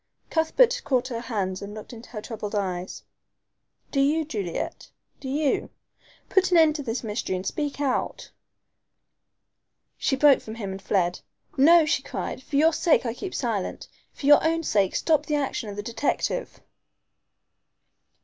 Cuthbert caught her hands and looked into her troubled eyes. "Do you, Juliet do you? Put an end to this mystery and speak out." She broke from him and fled. "No," she cried, "for your sake I keep silent. For your own sake stop the action of the detective."